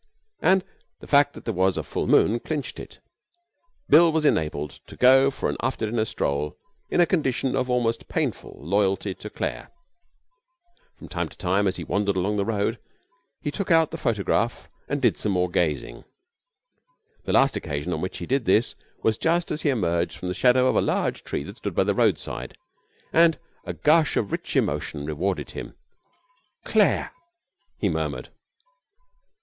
And the fact that there was a full moon clinched it. Bill was enabled to go for an after dinner stroll in a condition of almost painful loyalty to Claire. From time to time, as he walked along the road, he took out the photograph and did some more gazing. The last occasion on which he did this was just as he emerged from the shadow of a large tree that stood by the roadside, and a gush of rich emotion rewarded him. 'Claire!' he murmured.